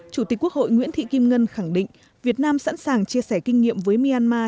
chủ tịch quốc hội nguyễn thị kim ngân khẳng định việt nam sẵn sàng chia sẻ kinh nghiệm với myanmar